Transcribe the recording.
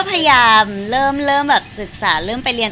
พยายามเริ่มแบบศึกษาเริ่มไปเรียน